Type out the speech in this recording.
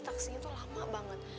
taksinya tuh lama banget